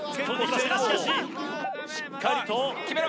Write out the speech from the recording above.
しかししっかりと決めろ！